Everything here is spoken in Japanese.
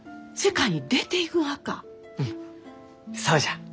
うんそうじゃ！